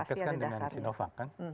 ya nakes kan dengan sinovac kan